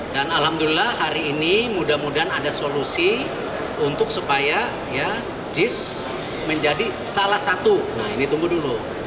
dan alhamdulillah hari ini mudah mudahan ada solusi untuk supaya jis menjadi salah satu nah ini tunggu dulu